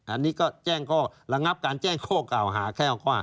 อันนี้ก็แจ้งข้อระงับการแจ้งข้อกล่าวหาแค่